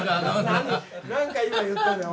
何か今言ったよ。